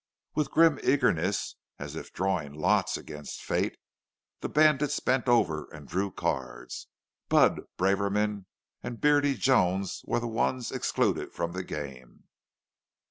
With grim eagerness, as if drawing lots against fate, the bandits bent over and drew cards. Budd, Braverman, and Beady Jones were the ones excluded from the game.